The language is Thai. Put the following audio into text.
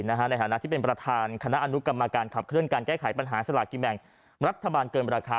ในฐานะที่เป็นประธานคณะอนุกรรมการขับเคลื่อนการแก้ไขปัญหาสลากกินแบ่งรัฐบาลเกินราคา